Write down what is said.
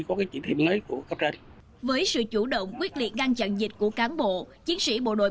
có trị thiệp mới của các tên với sự chủ động quyết liệt ngăn chặn dịch của cán bộ chiến sĩ bộ đội